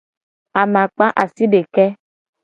Amakpa asideke.